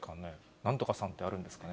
なんとかさんってあるんですかね？